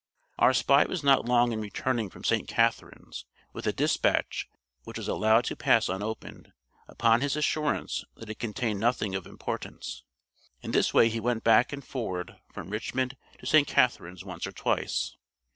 Our spy was not long in returning from St. Catherine's with a dispatch which was also allowed to pass unopened, upon his assurance that it contained nothing of importance. In this way he went back and forward from Richmond to St. Catherine's once or twice.